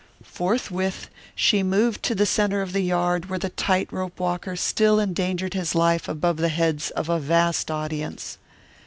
Forthwith she moved to the centre of the yard where the tight rope walker still endangered his life above the heads of a vast audience.